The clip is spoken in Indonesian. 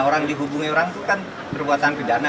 orang dihubungi orang itu kan perbuatan pidana